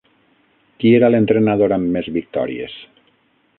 Qui era l'entrenador amb més victòries?